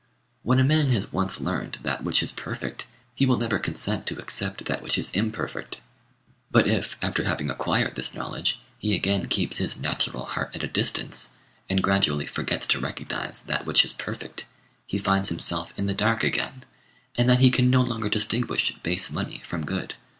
When a man has once learned that which is perfect, he will never consent to accept that which is imperfect; but if, after having acquired this knowledge, he again keeps his natural heart at a distance, and gradually forgets to recognize that which is perfect, he finds himself in the dark again, and that he can no longer distinguish base money from good.